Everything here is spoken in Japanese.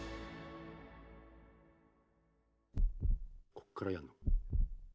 こっからやんの。